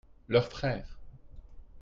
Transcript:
leurs frères.